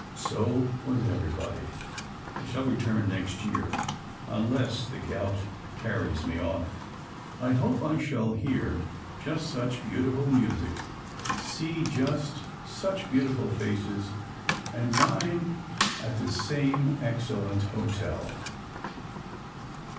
So was everybody. I shall return next year unless the gout carries me off. I hope I shall hear just such beautiful music, see just such beautiful faces and dine at the same excellent hotel.